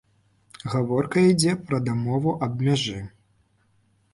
Гаворка ідзе пра дамову аб мяжы.